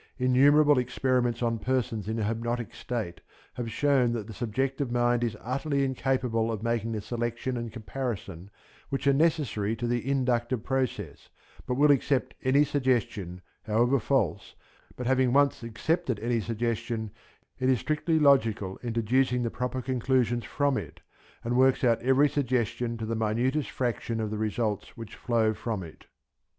Innumerable experiments on persons in the hypnotic state have shown that the subjective mind is utterly incapable of making the selection and comparison which are necessary to the inductive process, but will accept any suggestion, however false, but having once accepted any suggestion, it is strictly logical in deducing the proper conclusions from it, and works out every suggestion to the minutest fraction of the results which flow from it.